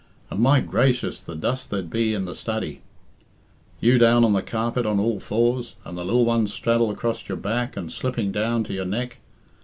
And my gracious, the dust there'd be here in the study! You down on the carpet on all fours, and the lil one straddled across your back and slipping down to your neck.